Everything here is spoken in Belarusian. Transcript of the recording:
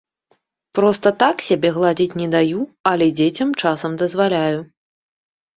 Проста так сябе гладзіць не даю, але дзецям часам дазваляю.